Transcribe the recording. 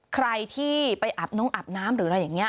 ใครที่ไปอาบน้องอาบน้ำหรืออะไรอย่างนี้